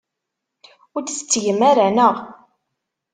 Ur t-tettgem ara, naɣ?